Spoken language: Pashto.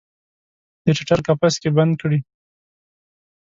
د ټټر قفس کې بند کړي